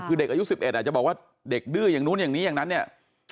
คือเด็กอายุ๑๑อาจจะบอกว่าเด็กดื้ออย่างนู้นอย่างนี้อย่างนั้นเนี่ย